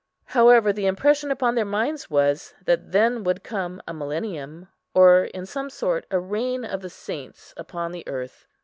However, the impression upon their minds was, that then would come a millennium, or, in some sort, a reign of the saints upon the earth.